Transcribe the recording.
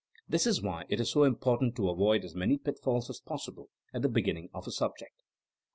This is why it is so important to avoid as many pitfalls as possible at the beginning of a subject.